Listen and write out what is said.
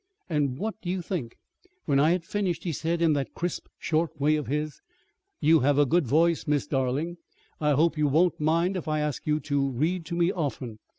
And what do you think? when I had finished he said, in that crisp short way of his: 'You have a good voice, Miss Darling. I hope you won't mind if I ask you to read to me often.'